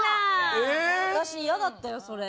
私嫌だったよそれ。